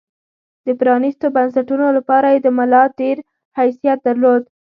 د پرانېستو بنسټونو لپاره یې د ملا تیر حیثیت درلود.